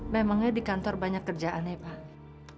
memangnya di kantor banyak kerjaan ya pak